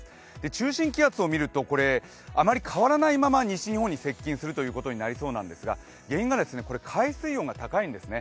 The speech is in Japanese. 中心気圧を見るとあまり変わらないまま西日本に接近することになりそうなんですが、原因が海水温が高いんですね。